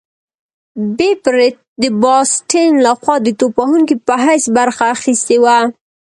بېب رت د باسټن لخوا د توپ وهونکي په حیث برخه اخیستې وه.